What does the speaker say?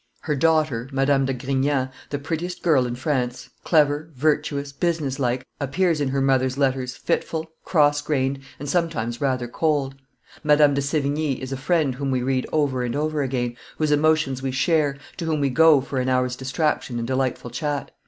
Her daughter, Madame de Grignan, the prettiest girl in France, clever, virtuous, business like, appears in her mother's letters fitful, cross grained, and sometimes rather cold. Madame de Sevigne is a friend whom we read over and over again, whose emotions we share, to whom we go for an hour's distraction and delightful chat.